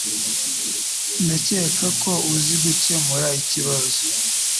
Ndakeka ko uzi gukemura ikibazo.